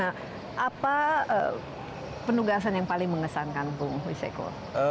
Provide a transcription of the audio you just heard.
nah apa penugasan yang paling mengesankan bung wiseko